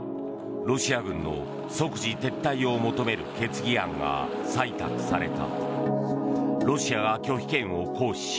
ロシア軍の即時撤退を求める決議案が採択された。